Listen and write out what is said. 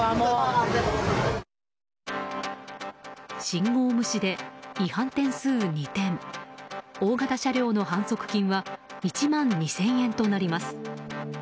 信号無視で違反点数２点大型車両の反則金は１万２０００円となります。